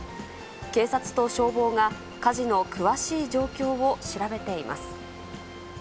警察と消防が火事の詳しい状況を調べています。